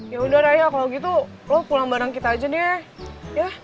ya udah raya kalau gitu lo pulang bareng kita aja deh ya